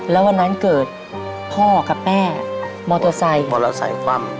แล้ววันนั้นเกิดพ่อกับแม่มอเตอร์ไซค์